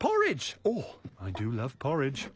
おう！